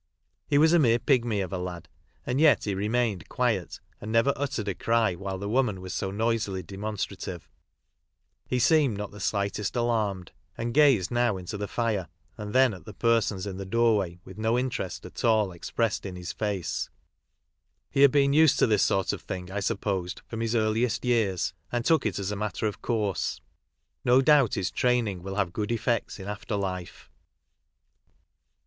He was a mere pigmv of a lad, and yet he remained quiet and never uttered a cry while the woman was so noisily demonstrative. He seemed not the slightest alarmed, and gazed now into the tire and then at the persons in the doorway with no interest at all expressed in his face. He had been used to this sort of thing, I supposed, from his earliest years, and took it as a matter of course. No doubt his training will have good effects in after life.